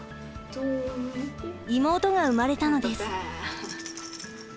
妹が生まれたのです。